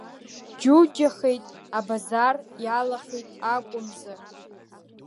Џьуџьахеит, абазар иалахеит акәымзар.